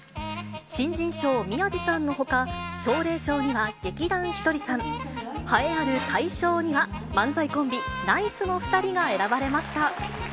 新人賞、宮治さんのほか、奨励賞には劇団ひとりさん、栄えある大賞には漫才コンビ、ナイツの２人が選ばれました。